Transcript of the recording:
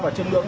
và chân lưỡng